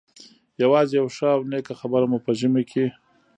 یوازې یوه ښه او نېکه خبره مو په ژمي کې.